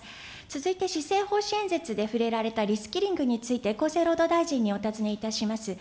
続いて施政方針演説で触れられたリスキリングについて、厚生労働大臣にお尋ねいたします。